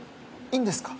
いいんですか？